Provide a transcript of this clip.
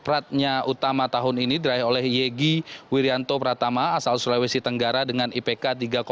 pemang praja muda ini diberikan oleh yegi wirianto pratama asal sulawesi tenggara dengan ipk tiga delapan puluh enam